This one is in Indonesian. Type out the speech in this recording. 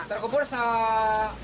terkubur sepatas leher